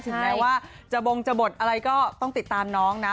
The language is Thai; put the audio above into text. แม้ว่าจะบงจะบทอะไรก็ต้องติดตามน้องนะ